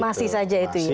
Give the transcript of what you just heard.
masih saja itu ya